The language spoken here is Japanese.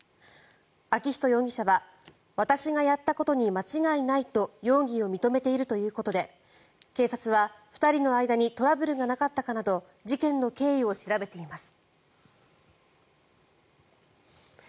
昭仁容疑者は私がやったことに間違いないと容疑を認めているということで警察は２人の間にトラブルがなかったかなど事件の経緯を調べています。